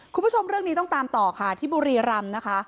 คุณผู้ชมเรื่องนี้ต้องตามต่อค่ะที่บุรีรำนะคะ